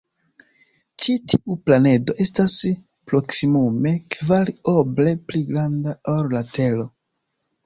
Ĉi tiu planedo estas proksimume kvar oble pli granda ol la Tero.